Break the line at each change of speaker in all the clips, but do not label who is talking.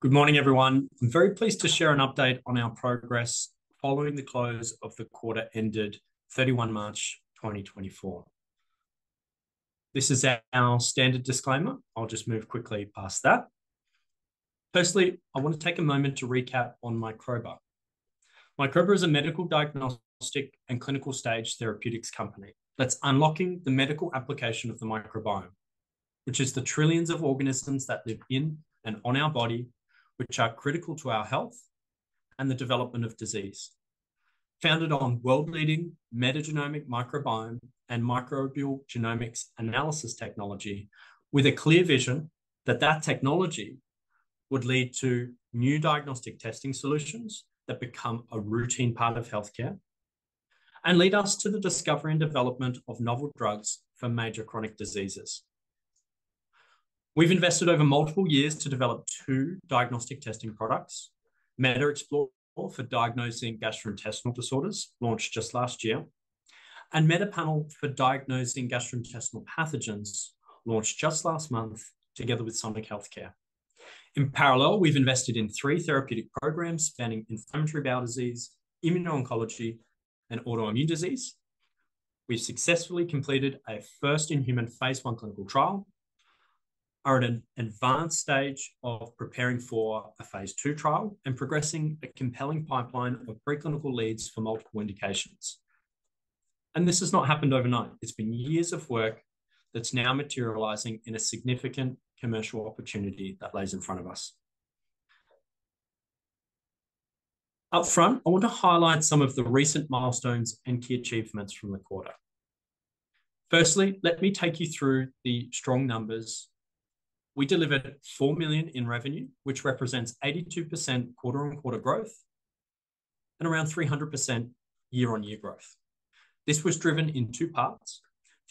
Good morning, everyone. I'm very pleased to share an update on our progress following the close of the quarter ended 31 March 2024. This is our standard disclaimer. I'll just move quickly past that. Firstly, I want to take a moment to recap on Microba. Microba is a medical diagnostic and clinical stage therapeutics company that's unlocking the medical application of the microbiome, which is the trillions of organisms that live in and on our body, which are critical to our health and the development of disease. Founded on world-leading metagenomic microbiome and microbial genomics analysis technology, with a clear vision that that technology would lead to new diagnostic testing solutions that become a routine part of healthcare and lead us to the discovery and development of novel drugs for major chronic diseases. We've invested over multiple years to develop two diagnostic testing products: MetaXplore for diagnosing gastrointestinal disorders, launched just last year, and MetaPanel for diagnosing gastrointestinal pathogens, launched just last month together with Sonic Healthcare. In parallel, we've invested in three therapeutic programs spanning inflammatory bowel disease, immuno-oncology, and autoimmune disease. We've successfully completed a first-in-human phase I clinical trial, are at an advanced stage of preparing for a phase II trial, and progressing a compelling pipeline of preclinical leads for multiple indications. This has not happened overnight. It's been years of work that's now materializing in a significant commercial opportunity that lays in front of us. Upfront, I want to highlight some of the recent milestones and key achievements from the quarter. Firstly, let me take you through the strong numbers. We delivered 4 million in revenue, which represents 82% quarter-on-quarter growth and around 300% year-on-year growth. This was driven in two parts.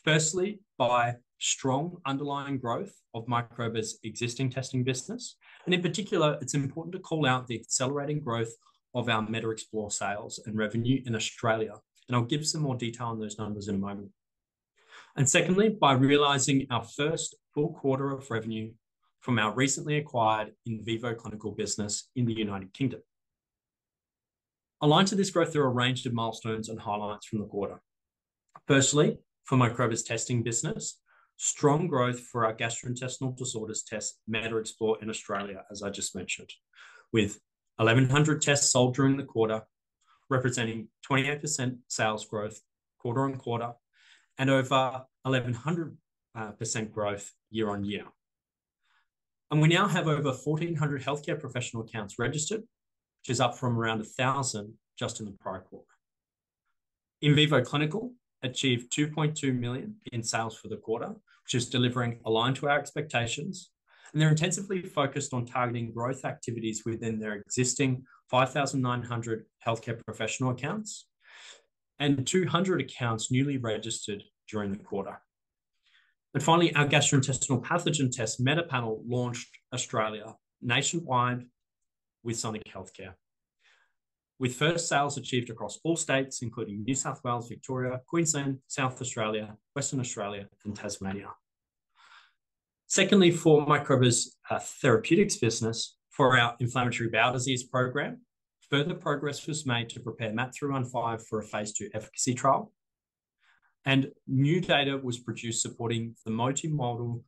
Firstly, by strong underlying growth of Microba's existing testing business, and in particular, it's important to call out the accelerating growth of our MetaXplore sales and revenue in Australia, and I'll give some more detail on those numbers in a moment. And secondly, by realizing our first full quarter of revenue from our recently acquired Invivo Clinical business in the United Kingdom. Aligned to this growth, there are a range of milestones and highlights from the quarter. Firstly, for Microba's testing business, strong growth for our gastrointestinal disorders test, MetaXplore in Australia, as I just mentioned, with 1,100 tests sold during the quarter, representing 28% sales growth quarter on quarter and over 1,100% growth year on year. We now have over 1,400 healthcare professional accounts registered, which is up from around 1,000 just in the prior quarter. Invivo Clinical achieved 2.2 million in sales for the quarter, which is delivering aligned to our expectations, and they're intensively focused on targeting growth activities within their existing 5,900 healthcare professional accounts and 200 accounts newly registered during the quarter. And finally, our gastrointestinal pathogen test, MetaPanel, launched Australia nationwide with Sonic Healthcare, with first sales achieved across all states, including New South Wales, Victoria, Queensland, South Australia, Western Australia and Tasmania. Secondly, for Microba's therapeutics business, for our inflammatory bowel disease program, further progress was made to prepare MAP 315 for a phase II efficacy trial, and new data was produced supporting the multi-modal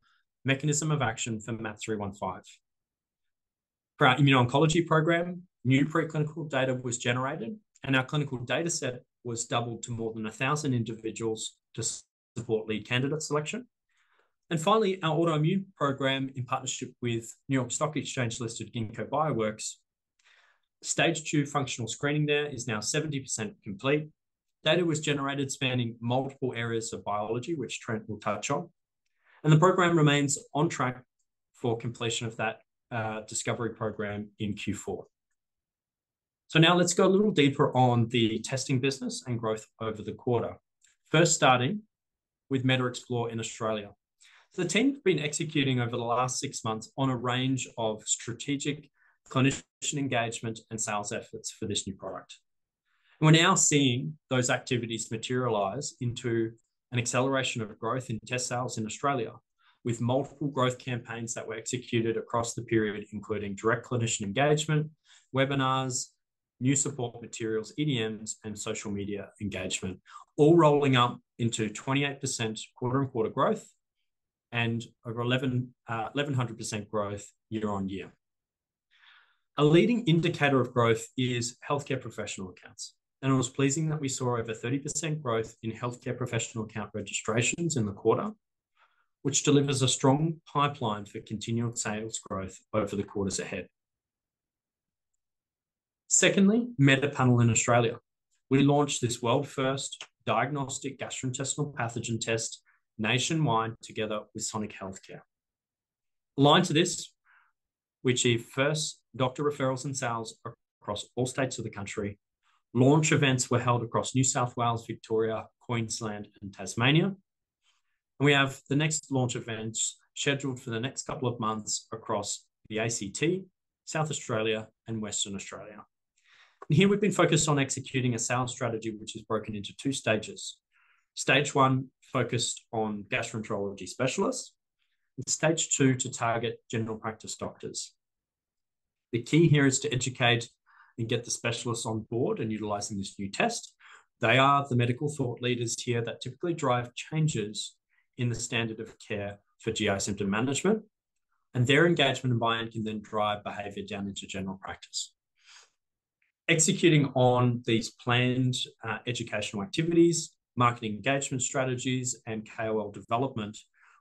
mechanism of action for MAP 315. For our immuno-oncology program, new preclinical data was generated, and our clinical dataset was doubled to more than 1,000 individuals to support lead candidate selection. Finally, our autoimmune program, in partnership with New York Stock Exchange-listed Ginkgo Bioworks, stage two functional screening there is now 70% complete. Data was generated spanning multiple areas of biology, which Trent will touch on, and the program remains on track for completion of that discovery program in Q4. So now let's go a little deeper on the testing business and growth over the quarter. First, starting with MetaXplore in Australia. The team have been executing over the last six months on a range of strategic clinician engagement and sales efforts for this new product. We're now seeing those activities materialize into an acceleration of growth in test sales in Australia, with multiple growth campaigns that were executed across the period, including direct clinician engagement, webinars, new support materials, EDMs, and social media engagement, all rolling up into 28% quarter-over-quarter growth and over 1,100% growth year-over-year. A leading indicator of growth is healthcare professional accounts, and it was pleasing that we saw over 30% growth in healthcare professional account registrations in the quarter, which delivers a strong pipeline for continual sales growth over the quarters ahead. Secondly, MetaPanel in Australia. We launched this world-first diagnostic gastrointestinal pathogen test nationwide together with Sonic Healthcare. Aligned to this, we achieved first doctor referrals and sales across all states of the country. Launch events were held across New South Wales, Victoria, Queensland, and Tasmania, and we have the next launch events scheduled for the next couple of months across the ACT, South Australia, and Western Australia. Here we've been focused on executing a sales strategy, which is broken into two stages. Stage one, focused on gastroenterology specialists, and stage two, to target general practice doctors. The key here is to educate and get the specialists on board in utilizing this new test. They are the medical thought leaders here that typically drive changes in the standard of care for GI symptom management, and their engagement and buy-in can then drive behavior down into general practice. Executing on these planned educational activities, marketing engagement strategies, and KOL development,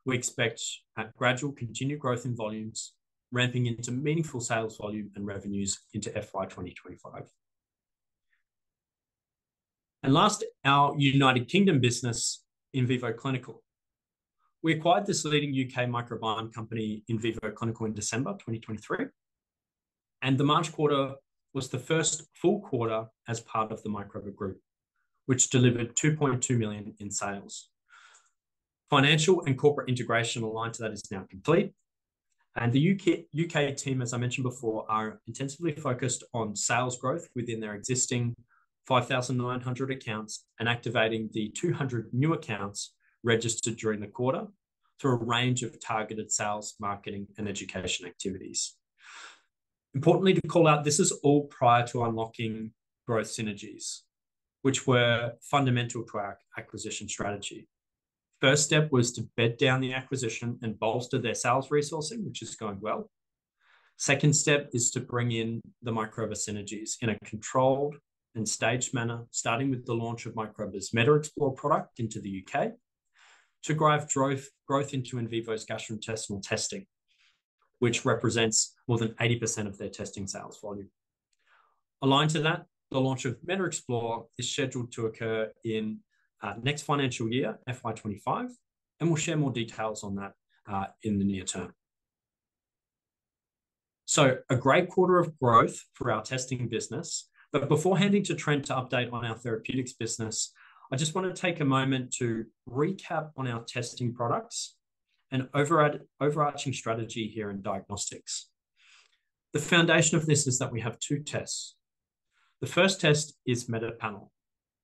we expect a gradual continued growth in volumes, ramping into meaningful sales volume and revenues into FY 2025. Last, our United Kingdom business, Invivo Clinical. We acquired this leading U.K. microbiome company, Invivo Clinical, in December 2023, and the March quarter was the first full quarter as part of the Microba Group, which delivered 2.2 million in sales. Financial and corporate integration aligned to that is now complete, and the U.K. team, as I mentioned before, are intensively focused on sales growth within their existing 5,900 accounts and activating the 200 new accounts registered during the quarter, through a range of targeted sales, marketing, and education activities. Importantly to call out, this is all prior to unlocking growth synergies, which were fundamental to our acquisition strategy. First step was to bed down the acquisition and bolster their sales resourcing, which is going well. Second step is to bring in the Microba synergies in a controlled and staged manner, starting with the launch of Microba's MetaXplore product into the U.K., to drive growth, growth into Invivo's gastrointestinal testing, which represents more than 80% of their testing sales volume. Aligned to that, the launch of MetaXplore is scheduled to occur in next financial year, FY 2025, and we'll share more details on that in the near term. So a great quarter of growth for our testing business. But before handing to Trent to update on our therapeutics business, I just want to take a moment to recap on our testing products and overarching strategy here in diagnostics. The foundation of this is that we have two tests. The first test is MetaPanel,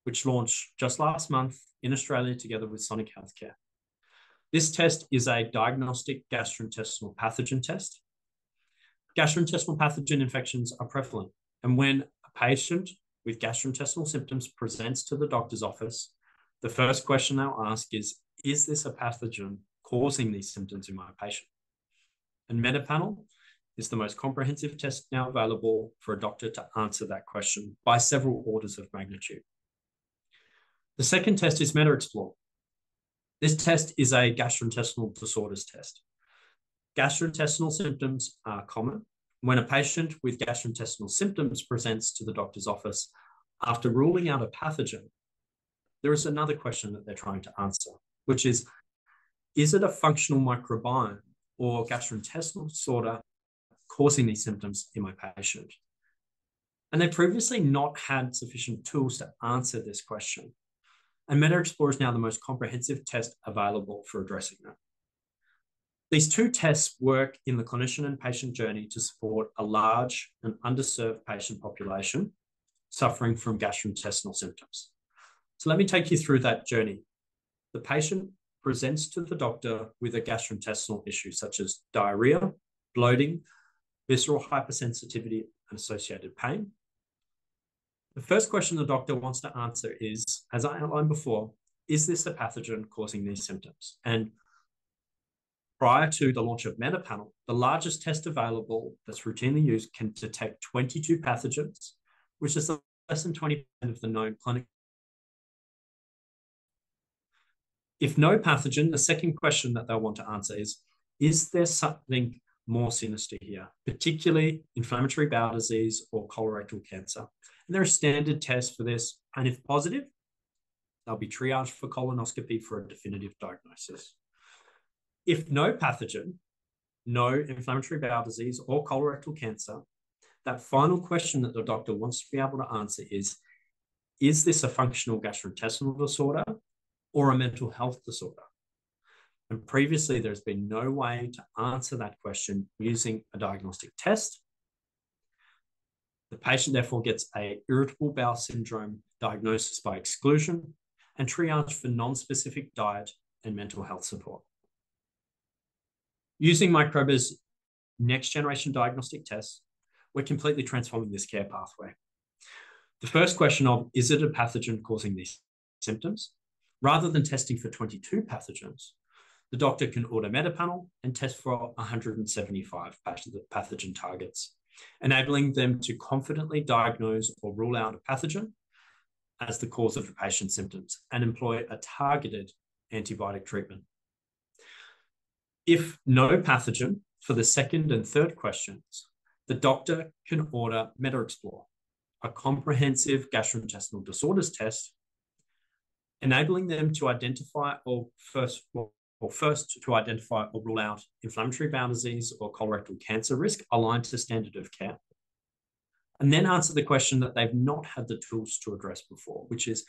which launched just last month in Australia together with Sonic Healthcare. This test is a diagnostic gastrointestinal pathogen test. Gastrointestinal pathogen infections are prevalent, and when a patient with gastrointestinal symptoms presents to the doctor's office, the first question they'll ask is: "Is this a pathogen causing these symptoms in my patient?" And MetaPanel is the most comprehensive test now available for a doctor to answer that question by several orders of magnitude. The second test is MetaXplore. This test is a gastrointestinal disorders test. Gastrointestinal symptoms are common. When a patient with gastrointestinal symptoms presents to the doctor's office, after ruling out a pathogen, there is another question that they're trying to answer, which is: "Is it a functional microbiome or gastrointestinal disorder causing these symptoms in my patient?" And they've previously not had sufficient tools to answer this question, and MetaXplore is now the most comprehensive test available for addressing that. These two tests work in the clinician and patient journey to support a large and underserved patient population suffering from gastrointestinal symptoms. So let me take you through that journey. The patient presents to the doctor with a gastrointestinal issue, such as diarrhea, bloating, visceral hypersensitivity, and associated pain. The first question the doctor wants to answer is, as I outlined before: "Is this a pathogen causing these symptoms?" And prior to the launch of MetaPanel, the largest test available that's routinely used can detect 22 pathogens, which is less than 20% of the known clinical pathogens. If no pathogen, the second question that they'll want to answer is: "Is there something more sinister here, particularly inflammatory bowel disease or colorectal cancer?" And there are standard tests for this, and if positive, they'll be triaged for colonoscopy for a definitive diagnosis. If no pathogen, no inflammatory bowel disease or colorectal cancer, that final question that the doctor wants to be able to answer is: "Is this a functional gastrointestinal disorder or a mental health disorder?" Previously, there's been no way to answer that question using a diagnostic test. The patient therefore gets an irritable bowel syndrome diagnosis by exclusion and triaged for non-specific diet and mental health support. Using Microba's next generation diagnostic tests, we're completely transforming this care pathway. The first question of, "Is it a pathogen causing these symptoms?" Rather than testing for 22 pathogens, the doctor can order MetaPanel and test for 175 pathogen targets, enabling them to confidently diagnose or rule out a pathogen as the cause of a patient's symptoms and employ a targeted antibiotic treatment. If no pathogen for the second and third questions, the doctor can order MetaXplore, a comprehensive gastrointestinal disorders test, enabling them to identify or first of all - or first to identify or rule out inflammatory bowel disease or colorectal cancer risk aligned to the standard of care, and then answer the question that they've not had the tools to address before, which is: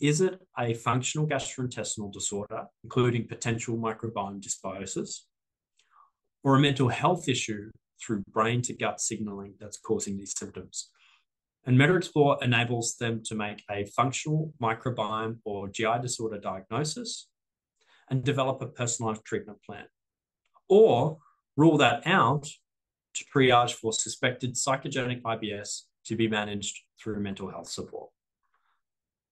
"Is it a functional gastrointestinal disorder, including potential microbiome dysbiosis? Or a mental health issue through brain-to-gut signaling that's causing these symptoms?" MetaXplore enables them to make a functional microbiome or GI disorder diagnosis, and develop a personalized treatment plan, or rule that out to triage for suspected psychogenic IBS to be managed through mental health support.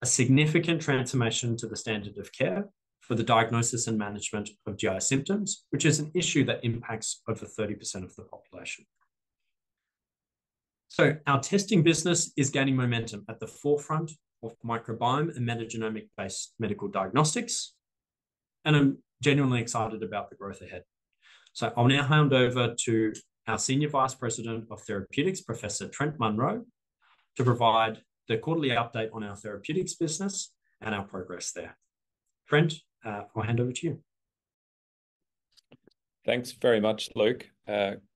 A significant transformation to the standard of care for the diagnosis and management of GI symptoms, which is an issue that impacts over 30% of the population. So our testing business is gaining momentum at the forefront of microbiome and metagenomic-based medical diagnostics, and I'm genuinely excited about the growth ahead. So I'll now hand over to our Senior Vice President of Therapeutics, Professor Trent Munro, to provide the quarterly update on our therapeutics business and our progress there. Trent, I'll hand over to you.
Thanks very much, Luke.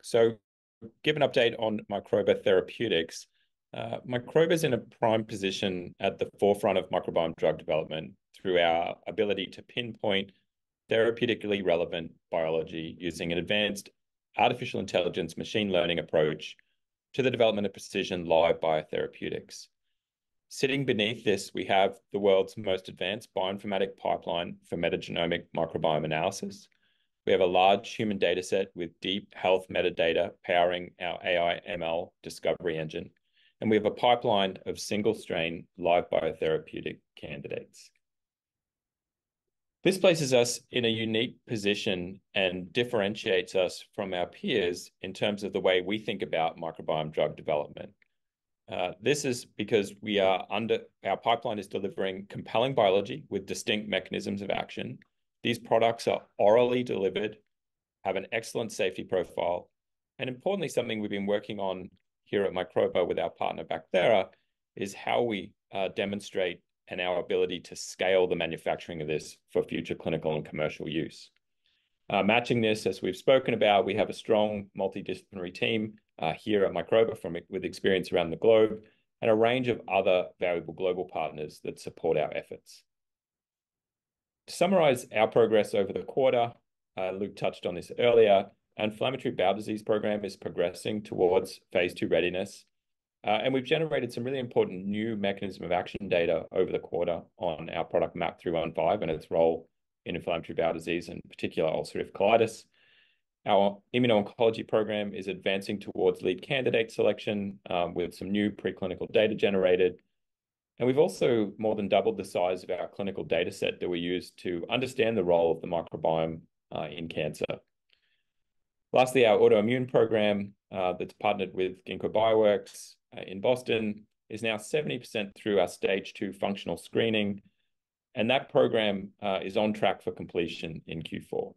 So to give an update on Microba Therapeutics, Microba's in a prime position at the forefront of microbiome drug development through our ability to pinpoint therapeutically relevant biology using an advanced artificial intelligence machine learning approach to the development of precision live biotherapeutics. Sitting beneath this, we have the world's most advanced bioinformatic pipeline for metagenomic microbiome analysis. We have a large human dataset with deep health metadata powering our AI ML discovery engine, and we have a pipeline of single-strain live biotherapeutic candidates. This places us in a unique position and differentiates us from our peers in terms of the way we think about microbiome drug development. This is because our pipeline is delivering compelling biology with distinct mechanisms of action. These products are orally delivered, have an excellent safety profile, and importantly, something we've been working on here at Microba with our partner, Bacthera, is how we demonstrate and our ability to scale the manufacturing of this for future clinical and commercial use. Matching this, as we've spoken about, we have a strong multidisciplinary team here at Microba with experience around the globe, and a range of other valuable global partners that support our efforts. To summarize our progress over the quarter, Luke touched on this earlier, inflammatory bowel disease program is progressing towards phase II readiness. We've generated some really important new mechanism of action data over the quarter on our product, MAP 315, and its role in inflammatory bowel disease, in particular ulcerative colitis. Our immuno-oncology program is advancing towards lead candidate selection, with some new preclinical data generated, and we've also more than doubled the size of our clinical dataset that we use to understand the role of the microbiome, in cancer. Lastly, our autoimmune program, that's partnered with Ginkgo Bioworks, in Boston, is now 70% through our stage two functional screening, and that program, is on track for completion in Q4.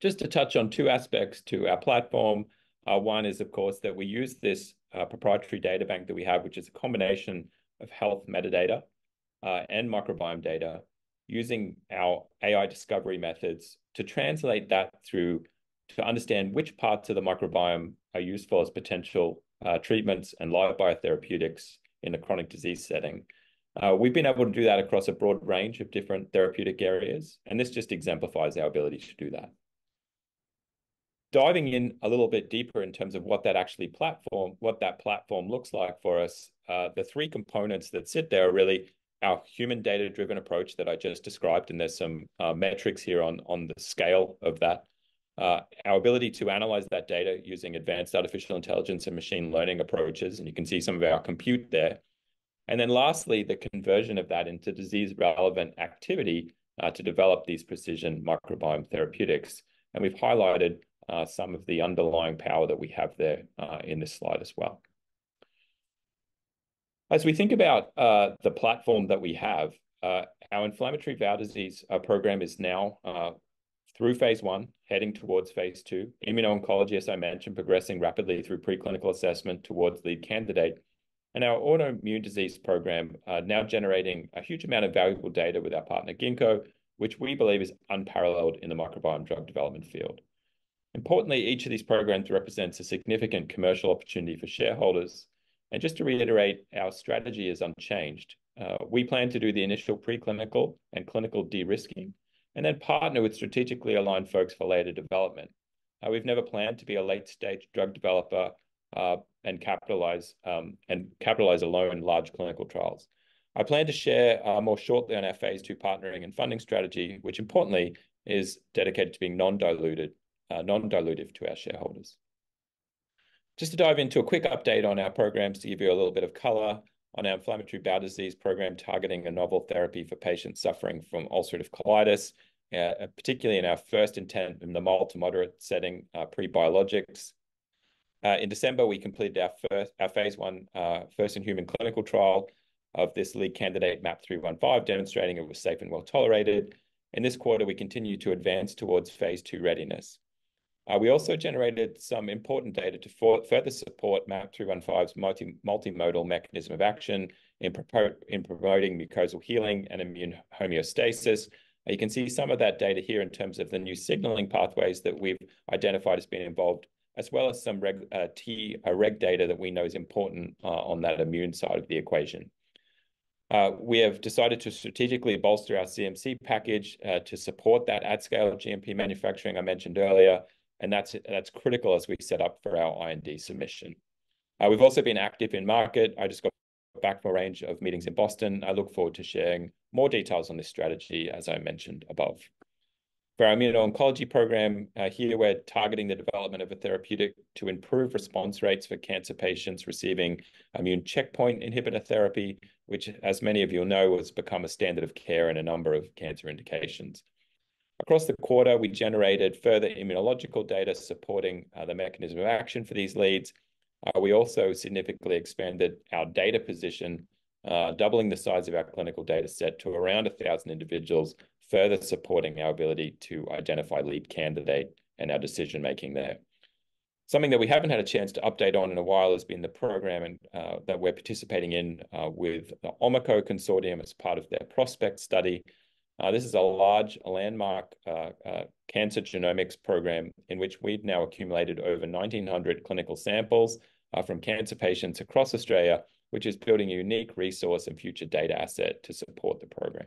Just to touch on two aspects to our platform, one is, of course, that we use this, proprietary data bank that we have, which is a combination of health metadata, and microbiome data, using our AI discovery methods to translate that through to understand which parts of the microbiome are useful as potential, treatments and live biotherapeutics in a chronic disease setting. We've been able to do that across a broad range of different therapeutic areas, and this just exemplifies our ability to do that. Diving in a little bit deeper in terms of what that platform looks like for us, the three components that sit there are really our human data-driven approach that I just described, and there's some metrics here on the scale of that. Our ability to analyze that data using advanced artificial intelligence and machine learning approaches, and you can see some of our compute there. And then lastly, the conversion of that into disease-relevant activity to develop these precision microbiome therapeutics. And we've highlighted some of the underlying power that we have there in this slide as well. As we think about the platform that we have, our inflammatory bowel disease program is now through phase I, heading towards phase II. Immuno-oncology, as I mentioned, progressing rapidly through preclinical assessment towards lead candidate. Our autoimmune disease program now generating a huge amount of valuable data with our partner, Ginkgo, which we believe is unparalleled in the microbiome drug development field. Importantly, each of these programs represents a significant commercial opportunity for shareholders, and just to reiterate, our strategy is unchanged. We plan to do the initial preclinical and clinical de-risking, and then partner with strategically aligned folks for later development. We've never planned to be a late-stage drug developer, and capitalize, and capitalize alone large clinical trials. I plan to share more shortly on our phase II partnering and funding strategy, which importantly, is dedicated to being non-dilutive to our shareholders. Just to dive into a quick update on our programs, to give you a little bit of color on our inflammatory bowel disease program, targeting a novel therapy for patients suffering from ulcerative colitis, particularly in our first intent in the mild to moderate setting, pre-biologics. In December, we completed our first, our phase I, first in human clinical trial of this lead candidate, MAP 315, demonstrating it was safe and well-tolerated. In this quarter, we continued to advance towards phase II readiness. We also generated some important data to further support MAP 315's multimodal mechanism of action in promoting mucosal healing and immune homeostasis. You can see some of that data here in terms of the new signaling pathways that we've identified as being involved, as well as some Treg data that we know is important on that immune side of the equation. We have decided to strategically bolster our CMC package to support that at-scale GMP manufacturing I mentioned earlier, and that's, that's critical as we set up for our IND submission. We've also been active in market. I just got back from a range of meetings in Boston. I look forward to sharing more details on this strategy, as I mentioned above. For our immuno-oncology program, here we're targeting the development of a therapeutic to improve response rates for cancer patients receiving immune checkpoint inhibitor therapy, which, as many of you'll know, has become a standard of care in a number of cancer indications. Across the quarter, we generated further immunological data supporting the mechanism of action for these leads. We also significantly expanded our data position, doubling the size of our clinical data set to around 1,000 individuals, further supporting our ability to identify lead candidate and our decision-making there. Something that we haven't had a chance to update on in a while has been the program and that we're participating in with the Omico Consortium as part of their PrOSPeCT study. This is a large landmark cancer genomics program in which we've now accumulated over 1,900 clinical samples from cancer patients across Australia, which is building a unique resource and future data asset to support the program.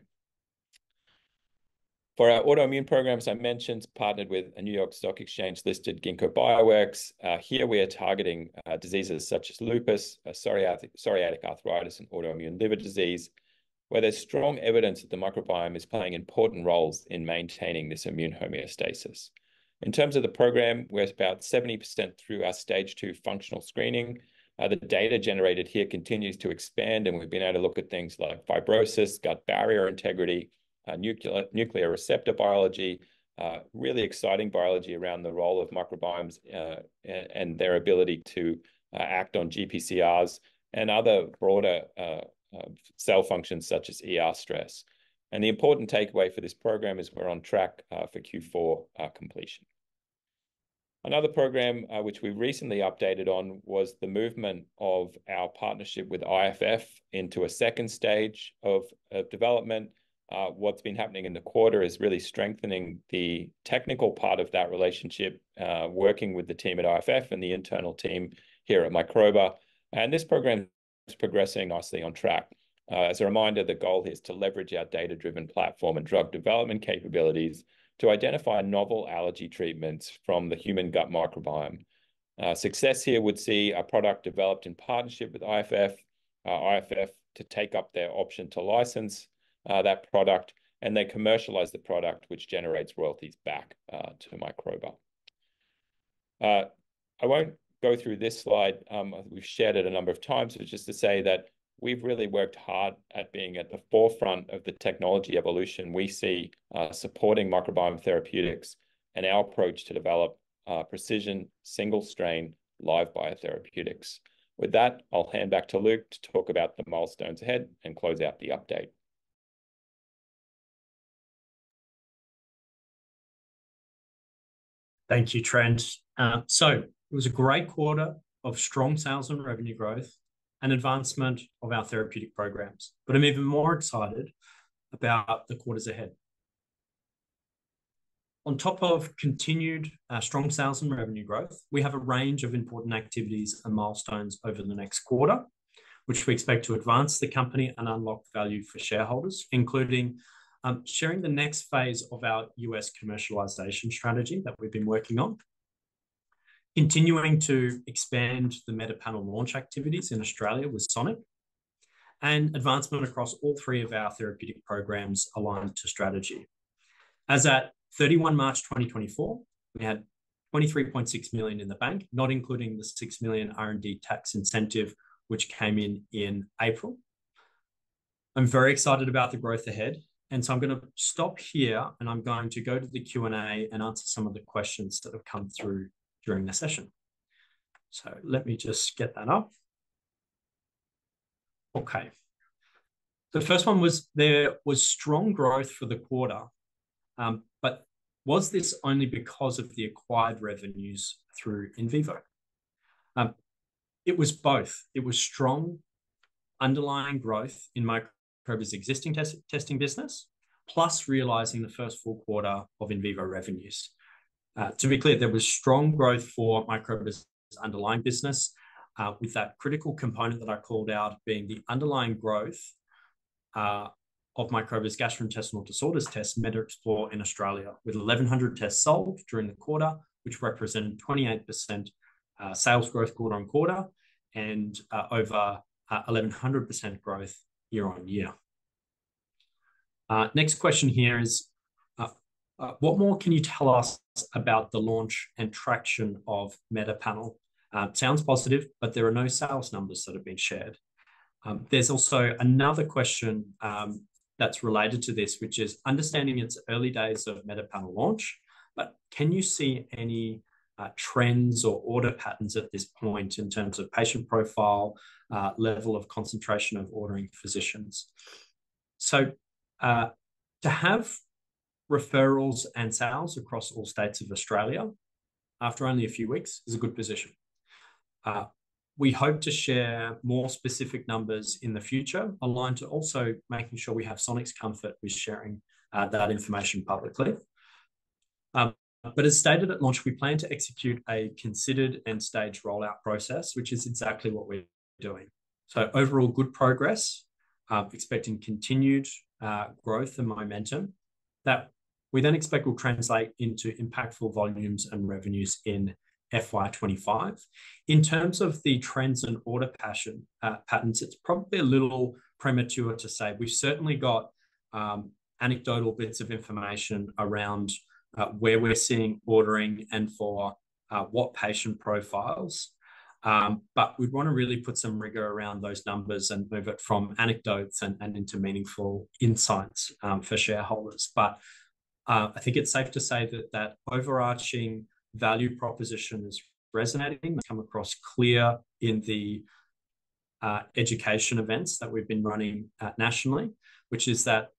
For our autoimmune programs, I mentioned partnered with a New York Stock Exchange-listed Ginkgo Bioworks. Here we are targeting diseases such as lupus, psoriatic, psoriatic arthritis, and autoimmune liver disease, where there's strong evidence that the microbiome is playing important roles in maintaining this immune homeostasis. In terms of the program, we're about 70% through our stage two functional screening. The data generated here continues to expand, and we've been able to look at things like fibrosis, gut barrier integrity, nuclear receptor biology. Really exciting biology around the role of microbiomes and their ability to act on GPCRs and other broader cell functions such as ER stress. The important takeaway for this program is we're on track for Q4 completion. Another program which we recently updated on was the movement of our partnership with IFF into a second stage of development. What's been happening in the quarter is really strengthening the technical part of that relationship, working with the team at IFF and the internal team here at Microba, and this program is progressing nicely on track. As a reminder, the goal here is to leverage our data-driven platform and drug development capabilities to identify novel allergy treatments from the human gut microbiome. Success here would see a product developed in partnership with IFF, IFF to take up their option to license that product, and then commercialize the product, which generates royalties back to Microba. I won't go through this slide. We've shared it a number of times, but just to say that we've really worked hard at being at the forefront of the technology evolution we see supporting microbiome therapeutics and our approach to develop precision, single-strain, live biotherapeutics. With that, I'll hand back to Luke to talk about the milestones ahead and close out the update.
Thank you, Trent. So it was a great quarter of strong sales and revenue growth and advancement of our therapeutic programs, but I'm even more excited about the quarters ahead. On top of continued strong sales and revenue growth, we have a range of important activities and milestones over the next quarter, which we expect to advance the company and unlock value for shareholders, including sharing the next phase of our U.S. commercialization strategy that we've been working on, continuing to expand the MetaPanel launch activities in Australia with Sonic, and advancement across all three of our therapeutic programs aligned to strategy. As at 31 March 2024, we had 23.6 million in the bank, not including the 6 million R&D tax incentive, which came in in April. I'm very excited about the growth ahead, and so I'm gonna stop here, and I'm going to go to the Q&A and answer some of the questions that have come through during the session. So let me just get that up. Okay. The first one was: There was strong growth for the quarter, but was this only because of the acquired revenues through Invivo? It was both. It was strong underlying growth in Microba's existing testing business, plus realizing the first full quarter of Invivo revenues. To be clear, there was strong growth for Microba's underlying business, with that critical component that I called out being the underlying growth, of Microba's gastrointestinal disorders test, MetaXplore in Australia, with 1,100 tests sold during the quarter, which represented 28%, sales growth quarter-on-quarter and, over, 1,100% growth year-on-year. Next question here is: What more can you tell us about the launch and traction of MetaPanel? Sounds positive, but there are no sales numbers that have been shared. There's also another question, that's related to this, which is understanding its early days of MetaPanel launch, but can you see any, trends or order patterns at this point in terms of patient profile, level of concentration of ordering physicians? So, to have referrals and sales across all states of Australia after only a few weeks is a good position. We hope to share more specific numbers in the future, aligned to also making sure we have Sonic's comfort with sharing that information publicly. But as stated at launch, we plan to execute a considered and staged rollout process, which is exactly what we're doing. Overall, good progress. Expecting continued growth and momentum that we then expect will translate into impactful volumes and revenues in FY 2025. In terms of the trends and ordering patterns, it's probably a little premature to say. We've certainly got anecdotal bits of information around where we're seeing ordering and for what patient profiles. But we want to really put some rigor around those numbers and move it from anecdotes and into meaningful insights for shareholders. But I think it's safe to say that that overarching value proposition is resonating, come across clear in the education events that we've been running nationally. Which is that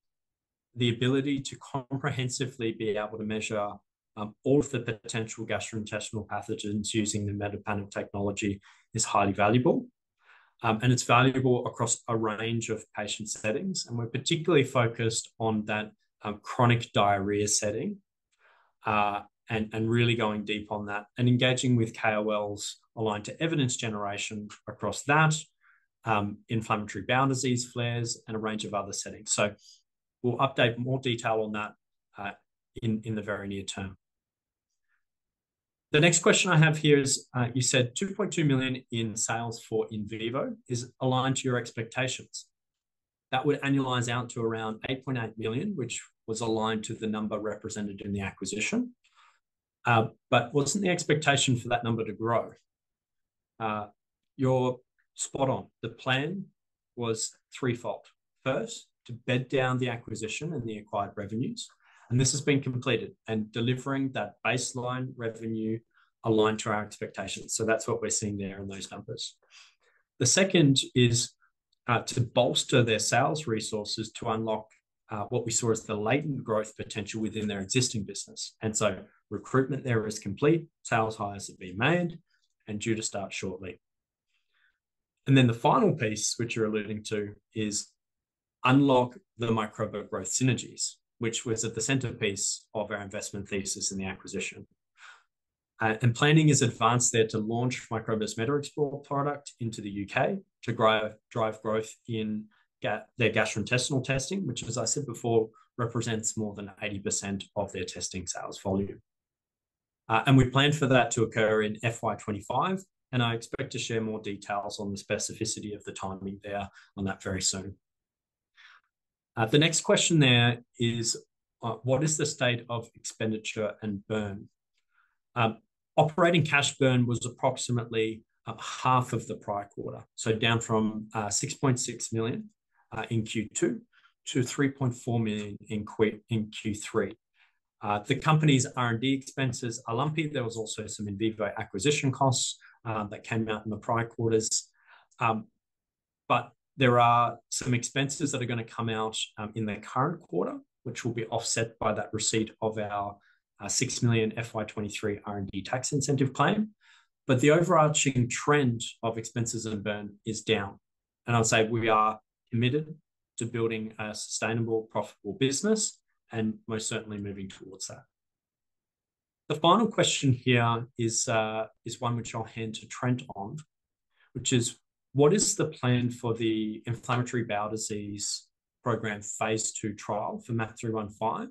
the ability to comprehensively be able to measure all of the potential gastrointestinal pathogens using the MetaPanel technology is highly valuable. And it's valuable across a range of patient settings, and we're particularly focused on that chronic diarrhea setting. And really going deep on that, and engaging with KOLs aligned to evidence generation across that inflammatory bowel disease flares, and a range of other settings. So we'll update more detail on that in the very near term. The next question I have here is, you said 2.2 million in sales for Invivo is aligned to your expectations. That would annualize out to around 8.8 million, which was aligned to the number represented in the acquisition. But wasn't the expectation for that number to grow? You're spot on. The plan was threefold. First, to bed down the acquisition and the acquired revenues, and this has been completed, and delivering that baseline revenue aligned to our expectations, so that's what we're seeing there in those numbers. The second is, to bolster their sales resources to unlock, what we saw as the latent growth potential within their existing business. And so recruitment there is complete, sales hires have been made, and due to start shortly. Then the final piece, which you're alluding to, is unlock the microbe growth synergies, which was at the centerpiece of our investment thesis in the acquisition. And planning is advanced there to launch Microba's MetaXplore product into the U.K. to drive, drive growth in their gastrointestinal testing, which as I said before, represents more than 80% of their testing sales volume. And we plan for that to occur in FY 2025, and I expect to share more details on the specificity of the timing there on that very soon. The next question there is, what is the state of expenditure and burn? Operating cash burn was approximately half of the prior quarter, so down from 6.6 million in Q2 to 3.4 million in Q3. The company's R&D expenses are lumpy. There was also some Invivo acquisition costs that came out in the prior quarters. But there are some expenses that are gonna come out in the current quarter, which will be offset by that receipt of our 6 million FY 2023 R&D tax incentive claim. But the overarching trend of expenses and burn is down, and I'd say we are committed to building a sustainable, profitable business, and we're certainly moving towards that. The final question here is one which I'll hand to Trent on, which is: What is the plan for the inflammatory bowel disease program phase II trial for MAP 315,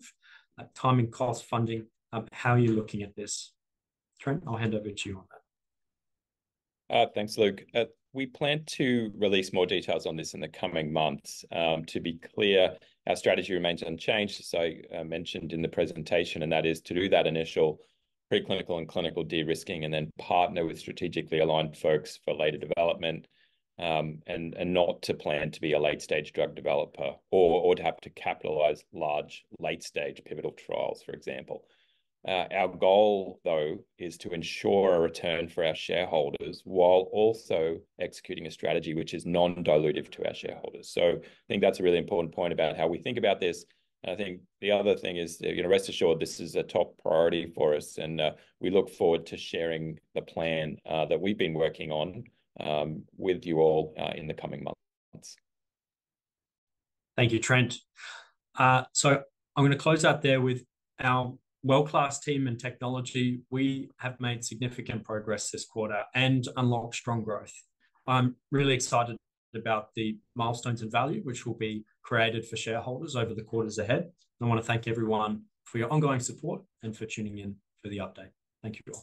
timing, cost, funding, how are you looking at this? Trent, I'll hand over to you on that.
Thanks, Luke. We plan to release more details on this in the coming months. To be clear, our strategy remains unchanged, as I mentioned in the presentation, and that is to do that initial preclinical and clinical de-risking, and then partner with strategically aligned folks for later development. And not to plan to be a late-stage drug developer or to have to capitalize large late-stage pivotal trials, for example. Our goal, though, is to ensure a return for our shareholders while also executing a strategy which is non-dilutive to our shareholders. So I think that's a really important point about how we think about this, and I think the other thing is, you know, rest assured, this is a top priority for us and we look forward to sharing the plan that we've been working on with you all in the coming months.
Thank you, Trent. So I'm going to close out there with our world-class team and technology. We have made significant progress this quarter and unlocked strong growth. I'm really excited about the milestones and value, which will be created for shareholders over the quarters ahead. I want to thank everyone for your ongoing support and for tuning in for the update. Thank you all.